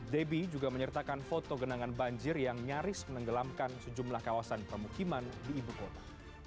debbie juga menyertakan foto genangan banjir yang nyaris menenggelamkan sejumlah kawasan permukiman di ibu kota